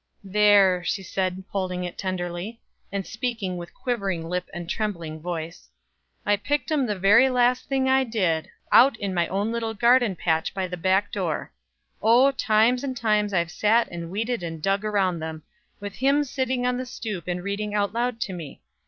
"There," she said, holding it tenderly, and speaking with quivering lip and trembling voice. "I picked 'em the very last thing I did, out in my own little garden patch by the backdoor. Oh, times and times I've sat and weeded and dug around them, with him sitting on the stoop and reading out loud to me.